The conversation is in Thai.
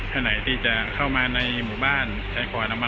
ถ้าไหนที่จะเข้ามาในหมู่บ้านใช้ความ